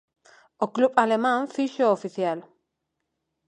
O club alemán fíxoo oficial.